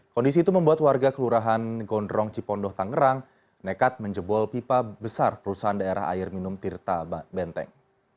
kondisi itu membuat warga kelurahan gondrong cipondoh tangerang nekat menjebol pipa besar perusahaan daerah air minum tirta benteng